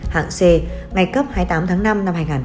hạng c ngày cấp hai mươi tám tháng năm năm hai nghìn một mươi chín